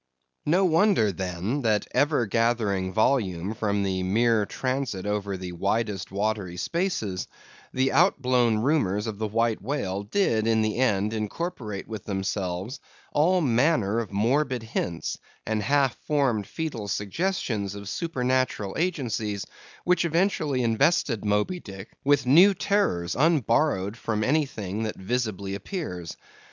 No wonder, then, that ever gathering volume from the mere transit over the widest watery spaces, the outblown rumors of the White Whale did in the end incorporate with themselves all manner of morbid hints, and half formed fœtal suggestions of supernatural agencies, which eventually invested Moby Dick with new terrors unborrowed from anything that visibly appears.